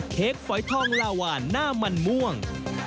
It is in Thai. ฝอยทองลาวานหน้ามันม่วง